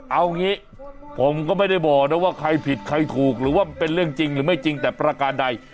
เอางี้ผมก็ไม่ได้บอกนะว่าใครผิดใครถูกหรือว่าเป็นเรื่องจริงหรือไม่จริงแต่ประการใด